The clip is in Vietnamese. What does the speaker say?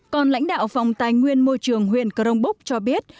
còn lãnh đạo phòng tài nguyên môi trường huyện crong búc cho biết